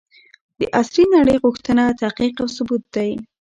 د عصري نړۍ غوښتنه تحقيق او ثبوت دی.